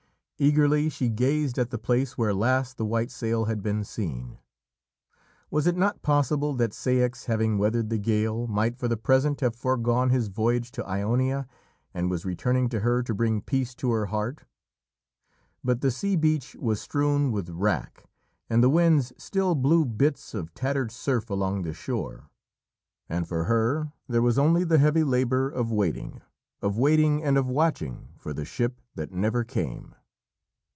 Eagerly she gazed at the place where last the white sail had been seen. Was it not possible that Ceyx, having weathered the gale, might for the present have foregone his voyage to Ionia, and was returning to her to bring peace to her heart? But the sea beach was strewn with wrack and the winds still blew bits of tattered surf along the shore, and for her there was only the heavy labour of waiting, of waiting and of watching for the ship that never came.